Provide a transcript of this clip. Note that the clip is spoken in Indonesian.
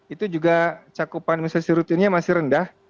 itu juga cakupan imunisasi rutinnya masih rendah